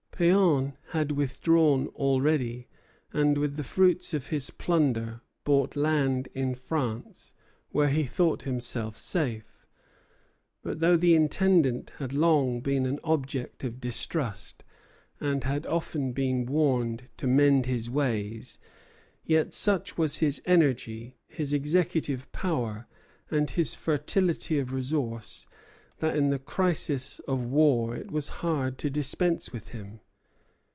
Péan had withdrawn already, and with the fruits of his plunder bought land in France, where he thought himself safe. But though the Intendant had long been an object of distrust, and had often been warned to mend his ways, yet such was his energy, his executive power, and his fertility of resource, that in the crisis of the war it was hard to dispense with him.